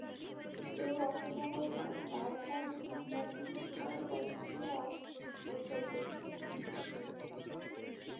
শুধু বাসিন্দারাই নয়, দ্বারকায় আসা তীর্থযাত্রীরাও নিখোঁজ হচ্ছে।